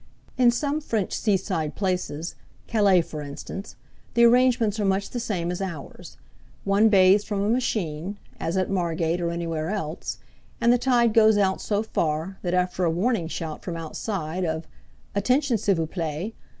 In some French seaside places Calais, for instance the arrangements are much the same as ours. One bathes from a machine, as at Margate or anywhere else, and the tide goes out so far that, after a warning shout form outside of "Attention, s'il vous plait!"